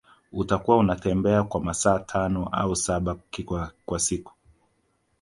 Utakuwa unatembea kwa masaa tano au saba kwa siku